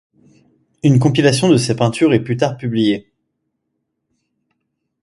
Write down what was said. Une compilation de ses peintures est plus tard publiée.